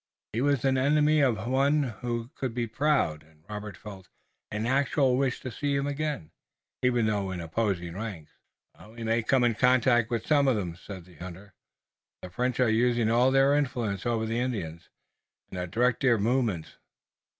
He was an enemy of whom one could be proud, and Robert felt an actual wish to see him again, even though in opposing ranks. "We may come into contact with some of 'em," said the hunter. "The French are using all their influence over the Indians, and are directing their movements.